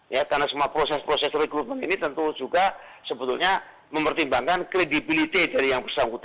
ya karena semua proses proses rekrutmen ini tentu juga sebetulnya mempertimbangkan kredibility dari yang bersangkutan